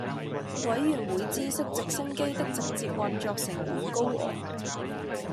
委會員知悉直升機的直接運作成本高昂